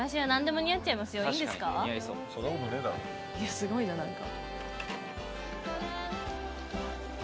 すごいな何か。